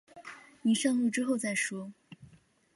你上路之后再说